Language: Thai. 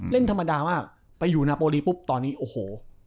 เล่นธรรมดามากไปอยู่นาโปรลีปุ๊บตอนนี้โอ้โห